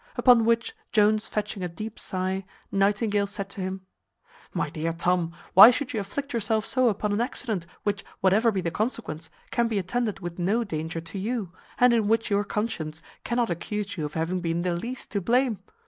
Upon which, Jones fetching a deep sigh, Nightingale said to him, "My dear Tom, why should you afflict yourself so upon an accident, which, whatever be the consequence, can be attended with no danger to you, and in which your conscience cannot accuse you of having been the least to blame?